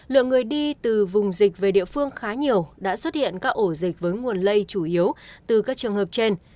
lượng người đi từ vùng dịch về địa phương khá nhiều đã xuất hiện các ổ dịch với nguồn lây chủ yếu từ các trường hợp trên